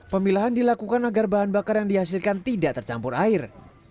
pemilahan dilakukan agar bahan bakar yang dihasilkan tidak tercampur air